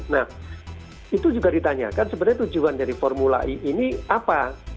nah itu juga ditanyakan sebenarnya tujuan dari formula e ini apa